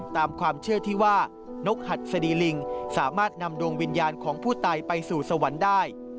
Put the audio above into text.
ตามความเชื่อที่ว่านกหัดสดีลิงสามารถนำดวงวิญญาณของผู้ตายไปสู่สวรรค์ได้